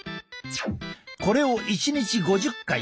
これを１日５０回。